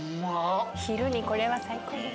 昼にこれは最高です。